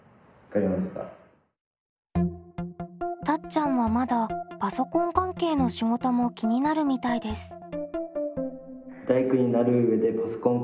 たっちゃんはまだパソコン関係の仕事も気になるみたいです。